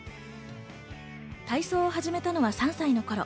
体操を始めたのは３歳の頃。